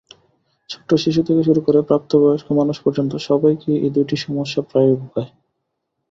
ছোট শিশু থেকে শুরু করে প্রাপ্তবয়স্ক মানুষ পর্যন্ত সবাইকেই এই দুটি সমস্যা প্রায়ই ভোগায়।